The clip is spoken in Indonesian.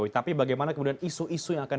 tapi bagaimana kemudian isu isu yang akan